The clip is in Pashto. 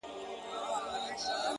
گنې په تورو توتکيو دې ماتم ساز کړي;